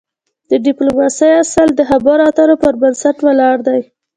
د د ډيپلوماسی اصل د خبرو اترو پر بنسټ ولاړ دی.